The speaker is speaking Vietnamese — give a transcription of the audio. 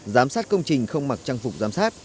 giám sát công trình không mặc trang phục giám sát